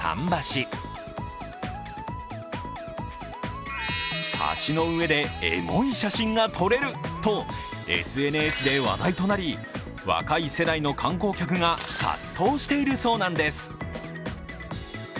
橋の上でエモい写真が撮れるとＳＮＳで話題となり、若い世代の観光客が殺到しているそうなんです。